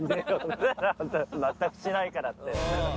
全くしないからって。